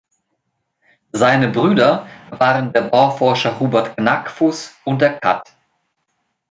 Seine Brüder waren der Bauforscher Hubert Knackfuß und der kath.